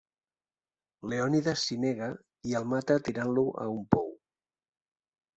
Leònides s'hi nega i el mata tirant-lo a un pou.